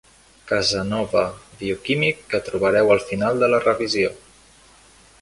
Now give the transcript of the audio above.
Casanova bioquímic que trobareu al final de la revisió.